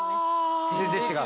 全然違う？